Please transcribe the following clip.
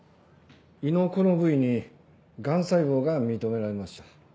胃のこの部位に癌細胞が認められました。